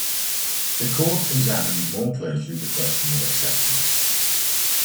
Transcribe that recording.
The court examined more closely the question of acceptance.